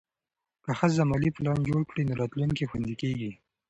که ښځه مالي پلان جوړ کړي، نو راتلونکی خوندي کېږي.